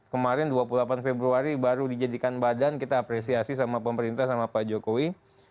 kemarin dua puluh delapan februari baru dijadikan badan kita apresiasi sama pemerintah sama pak jokowi